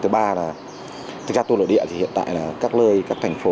thứ ba là thực ra tour nội địa thì hiện tại là các nơi các thành phố